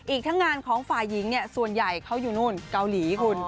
อีกทั้งงานของฝ่ายหญิงเนี่ยส่วนใหญ่เขาอยู่นู่นเกาหลีคุณ